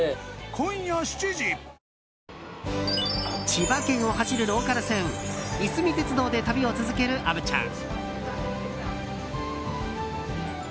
千葉県を走るローカル線いすみ鉄道で旅を続ける虻ちゃん。